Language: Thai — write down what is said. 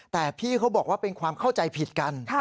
แต่พี่เขาบอกว่าเป็นความเข้าใจผิดกัน